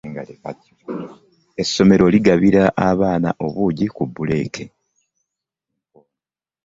Essomero ligabira abaana obuugi ku buleeke.